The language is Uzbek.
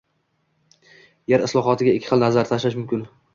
Yer islohotiga ikki xil nazar tashlash mumkin.